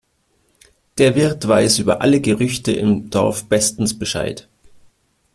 Der Wirt weiß über alle Gerüchte im Dorf bestens Bescheid.